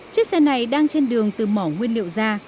chiếc xe này đang trên đường từ mỏ nguyên liệu ra